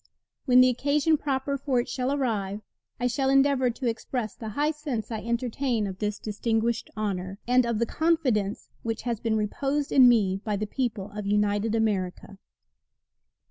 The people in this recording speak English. When the occasion proper for it shall arrive, I shall endeavor to express the high sense I entertain of this distinguished honor, and of the confidence which has been reposed in me by the people of united America.